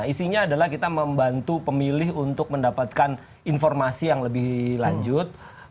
isinya adalah kita membantu pemilih untuk mendapatkan informasi yang lebih lanjut